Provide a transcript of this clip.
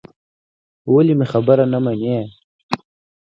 ولې مې خبره نه منې.